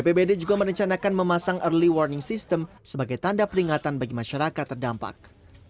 bpbd juga merencanakan memasang early warning system sebagai tanda peringatan bagi masyarakat terdampak